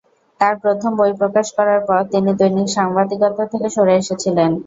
তাঁর প্রথম বই প্রকাশ করার পর, তিনি দৈনিক সাংবাদিকতা থেকে সরে এসেছিলেন।